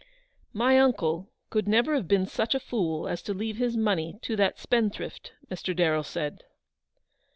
" My uncle could never have been such a fool as to leave his money to that spendthrift,"' Mr. Darrell said.